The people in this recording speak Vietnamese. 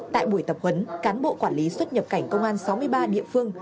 tại buổi tập huấn cán bộ quản lý xuất nhập cảnh công an sáu mươi ba địa phương